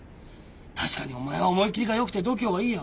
確かにお前は思いっ切りがよくて度胸はいいよ。